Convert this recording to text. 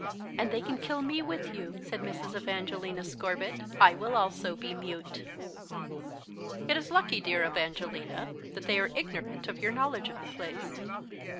"And they can kill me with you," said Mrs. Evangelina Scorbitt; "I will also be mute." "It is lucky, dear Evangelina, that they are ignorant of your knowledge of the place."